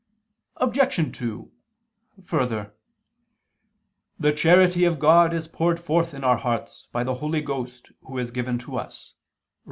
Obj. 2: Further, "The charity of God is poured forth in our hearts, by the Holy Ghost, Who is given to us" (Rom.